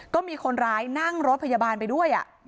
ก็มีคนร้ายนั่งรถพยาบาลไปด้วย